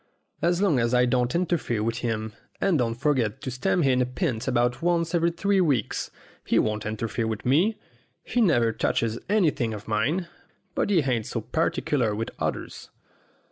As long as I don't interfere with him, and don't forget to stand him a pint about once every three weeks, he won't interfere with me. He never touches anything of mine, but he ain't so particular with others.